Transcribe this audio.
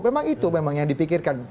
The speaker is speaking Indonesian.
memang itu yang dipikirkan